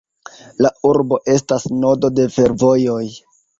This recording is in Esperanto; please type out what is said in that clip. La urbo estas nodo de fervojoj.